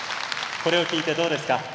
これを聞いてどうですか？。